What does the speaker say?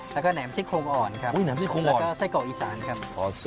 แล้วก็แหน่มซิกโครงอ่อนครับ